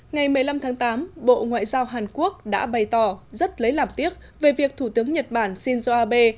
ngày một mươi năm tháng tám bộ ngoại giao hàn quốc đã bày tỏ rất lấy làm tiếc về việc thủ tướng nhật bản shinzo abe